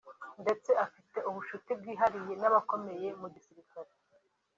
ndetse afitanye ubucuti bwihariye n’abakomeye mu gisirikare